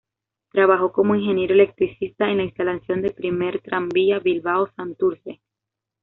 Trabajó como ingeniero electricista en la instalación del primer tranvía Bilbao-Santurce.